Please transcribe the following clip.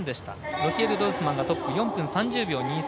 ロヒエル・ドルスマンがトップ４分３０秒２３。